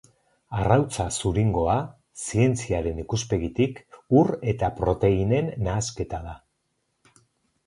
Arrautza-zuringoa, zientziaren ikuspegitik, ur eta proteinen nahasketa da.